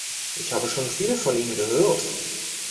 Ich habe schon viel von Ihnen gehört.